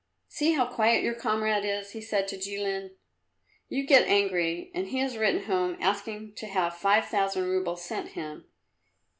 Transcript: "See how quiet your comrade is," he said to Jilin. "You get angry and he has written home asking to have five thousand roubles sent him.